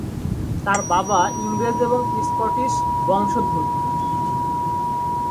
তার বাবা ইংরেজ এবং স্কটিশ বংশোদ্ভূত।